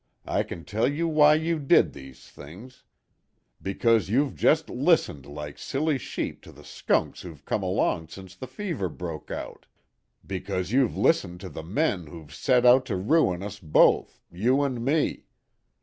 I can tell you why you did these things. Because you've just listened like silly sheep to the skunks who've come along since the fever broke out. Because you've listened to the men who've set out to ruin us both, you and me.